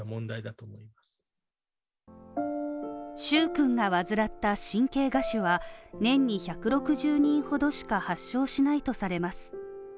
蹴君がわずらった神経芽腫は年に１６０人ほどしか発症しないとされます。